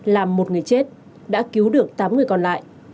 làm một người chết đã cứu được tám người còn lại